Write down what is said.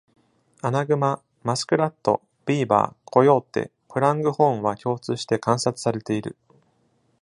アナグマ、マスクラット、ビーバー、コヨーテ、プロングホーンは共通して観察されている。